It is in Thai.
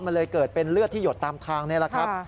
มันเลยเกิดเป็นเลือดที่หยดตามทางนี่แหละครับ